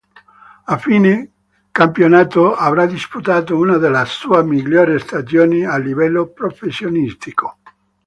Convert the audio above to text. A fine campionato, avrà disputato una delle sue migliori stagioni a livello professionistico.